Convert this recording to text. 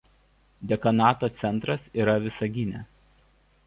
Dekanato centras yra Visagine.